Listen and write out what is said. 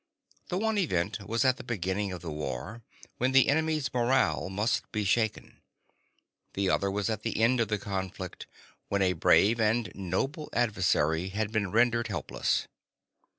The one event was at the beginning of the war, when the enemy's morale must be shaken. The other was at the end of the conflict, when a brave and noble adversary had been rendered helpless.